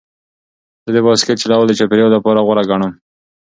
زه د بایسکل چلول د چاپیریال لپاره غوره ګڼم.